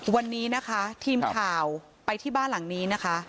วันนี้นะคะทีมข่าวไปที่บ้านหลังนี้นะคะ